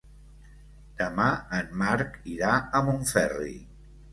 Demà en Marc irà a Montferri.